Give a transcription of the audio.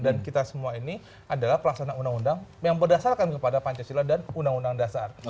dan kita semua ini adalah pelaksanaan undang undang yang berdasarkan kepada pancasila dan undang undang dasar